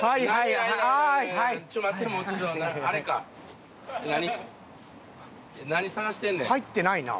入ってないな。